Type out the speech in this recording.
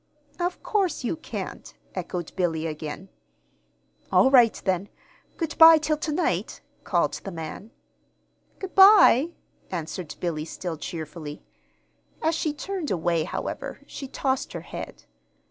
"Of course you can't," echoed Billy, again. "All right then. Good by till to night," called the man. "Good by," answered Billy, still cheerfully. As she turned away, however, she tossed her head.